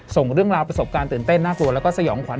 ส่งเรื่องราวประสบการณ์ตื่นเต้นน่ากลัวแล้วก็สยองขวั